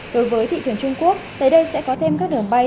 đối với thị trường trung quốc tới đây sẽ có thêm các đường bay